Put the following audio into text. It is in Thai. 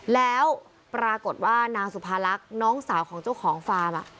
แล้วปรากฏว่านางสุภาลักษณ์น้องสาวของเจ้าของฟาร์ม